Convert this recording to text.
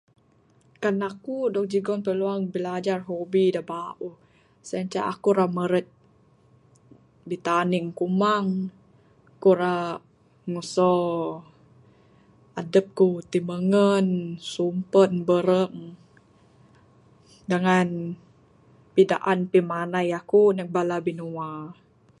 Kan akuk dog jugon peluang bilajar hobi da' ba'uh, sien ceh akuk ira merut bitanding kumang. Akuk rak nguso adup kuk timengun, sumpen, bereng' dengan pidaan pimandai akuk ndug bala binua.